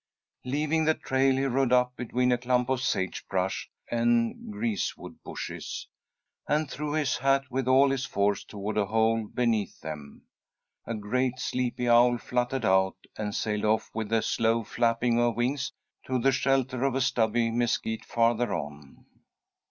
Leaving the trail, he rode up between a clump of sage brush and greasewood bushes, and threw his hat with all his force toward a hole beneath them. A great, sleepy owl fluttered out, and sailed off with a slow flapping of wings to the shelter of a stubby mesquit farther on.